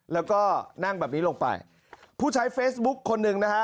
แล้วก็นั่งแบบนี้ลงไปผู้ใช้เฟซบุ๊คคนหนึ่งนะฮะ